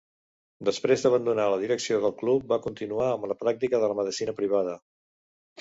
Després d'abandonar la direcció del club va continuar amb la pràctica de la medicina privada.